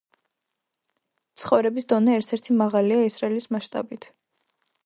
ცხოვრების დონე ერთ-ერთი მაღალია ისრაელის მასშტაბით.